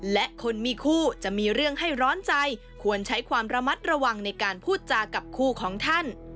และคนมีคู่จะมีเรื่องให้ร้อนใจควรใช้ความระมัดระวังในการพูดจากับคู่ของท่าน